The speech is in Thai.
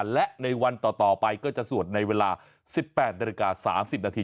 และในวันต่อไปก็จะสวดในเวลา๑๘นาฬิกา๓๐นาที